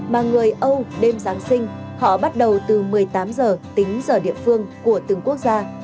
mà người âu đêm giáng sinh họ bắt đầu từ một mươi tám giờ tính giờ địa phương của từng quốc gia